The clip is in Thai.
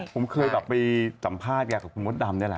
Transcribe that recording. ผมเคยแบบไปสัมภาษณ์แกกับคุณมดดำนี่แหละ